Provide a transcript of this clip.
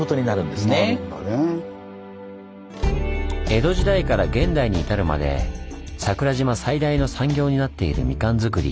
江戸時代から現代に至るまで桜島最大の産業になっているみかん作り。